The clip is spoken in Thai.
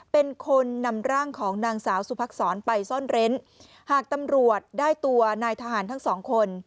เป็นคนนำร่างของนางสาวสุภักษรไปซ่อนเร้นหากตำรวจได้ตัวนายทหารทั้งสองคน